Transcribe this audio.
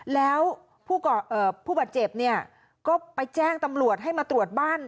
แล้วผู้บาดเจ็บเนี่ยก็ไปแจ้งตำรวจให้มาตรวจบ้าน